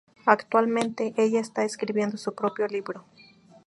Actualmente, ella está escribiendo su propio libro.